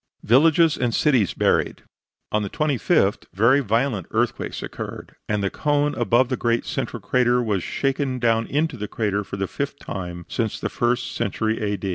VILLAGES AND CITIES BURIED On the 25th very violent earthquakes occurred, and the cone above the great central crater was shaken down into the crater for the fifth time since the first century A.